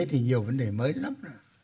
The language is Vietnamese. thì nhiều vấn đề mới lắm